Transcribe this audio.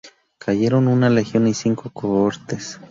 Cayeron una legión y cinco cohortes.